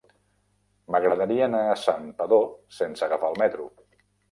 M'agradaria anar a Santpedor sense agafar el metro.